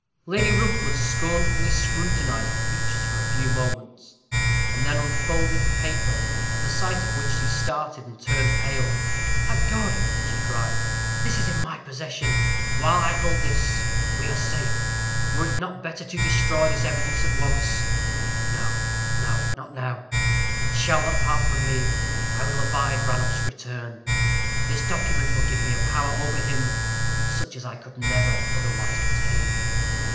Lady Rookwood scornfully scrutinized the features for a few moments, and then unfolded the paper, at the sight of which she started, and turned pale. "Thank God!" she cried, "this is in my possession while I hold this, we are safe. Were it not better to destroy this evidence at once? No, no, not now it shall not part from me. I will abide Ranulph's return. This document will give me a power over him such as I could never otherwise obtain."